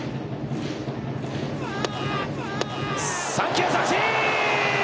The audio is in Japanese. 三球三振！！